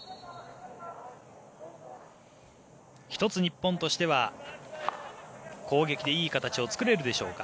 １つ、日本としては攻撃でいい形を作れるでしょうか。